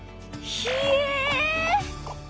ひえ。